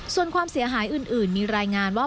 ส่วนความเสียหายอื่นมีรายงานว่า